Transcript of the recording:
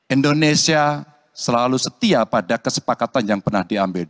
indonesia selalu setia pada kesepakatan yang pernah diambil